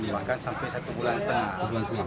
bahkan sampai satu bulan setengah tujuh